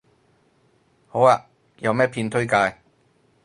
好啊，有咩片推介